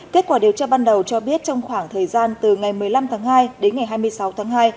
kết quả điều tra ban đầu cho biết trong khoảng thời gian từ ngày một mươi năm tháng hai đến ngày hai mươi sáu tháng hai